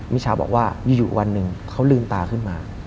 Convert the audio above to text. มิชาบอกว่ามีอยู่วันหนึ่งเขาลืมตาขึ้นมา